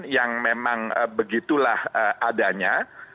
yang memang begitulah adanya